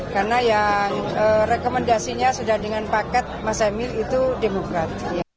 karena ya rekomendasinya sudah dengan paket mas emil itu demokrat